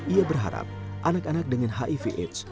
ia berharap anak anak dengan hiv aids